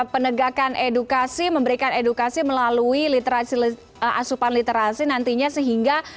penegakan edukasi memberikan edukasi melalui asupan literasi nantinya sehingga